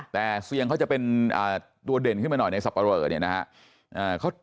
แต่เซียงเขาจะเป็นตัวเด่นขึ้นมาหน่อยในสับปะเรอเนี่ยนะฮะ